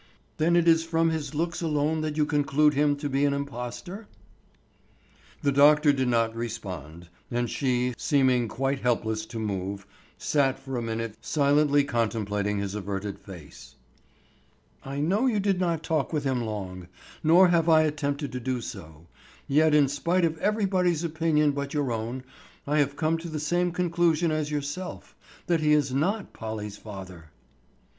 "Then it is from his looks alone that you conclude him to be an impostor?" The doctor did not respond, and she, seeming quite helpless to move, sat for a minute silently contemplating his averted face. "I know you did not talk with him long. Nor have I attempted to do so, yet in spite of everybody's opinion but your own I have come to the same conclusion as yourself, that he is not Polly's father."